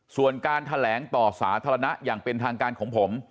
ส่วนการแถลงต่อสาธารณะอย่างเป็นทางการของผม